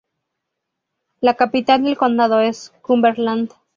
La capital del condado es Cumberland.